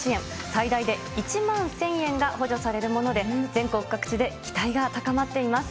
最大で１万１０００円が補助されるもので、全国各地で期待が高まっています。